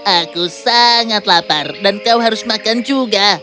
aku sangat lapar dan kau harus makan juga